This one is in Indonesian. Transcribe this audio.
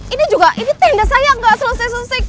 ini juga ini tenda saya nggak selesai selesai